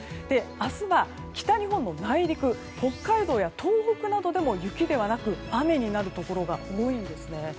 明日は、北日本の内陸北海道や東北などでも雪ではなく雨になるところが多いんですね。